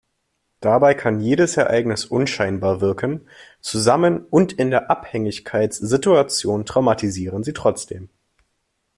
Dabei kann jedes Ereignis unscheinbar wirken, zusammen und in der Abhängigkeitssituation traumatisieren sie trotzdem.